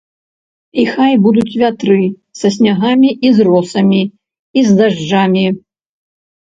І хай будуць вятры са снягамі і з росамі, і з дажджамі!